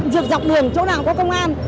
dược dọc đường chỗ nào có công an